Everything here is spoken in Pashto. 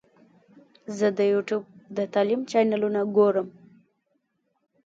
زه د یوټیوب د تعلیم چینلونه ګورم.